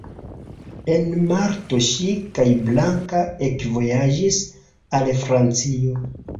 En marto ŝi kaj Blanka ekvojaĝis al Francio.